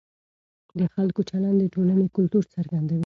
د خلکو چلند د ټولنې کلتور څرګندوي.